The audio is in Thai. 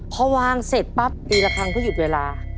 พอวางเสร็จปั๊บตีละครั้งเพื่อหยุดเวลา